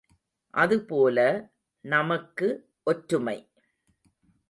அதுபோல, நமக்கு ஒற்றுமை.